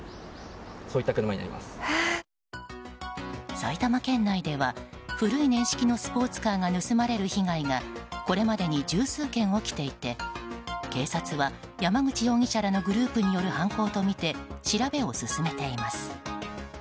埼玉県内では古い年式のスポーツカーが盗まれる被害がこれまでに十数件起きていて警察は、山口容疑者らのグループによる犯行とみて調べを進めています。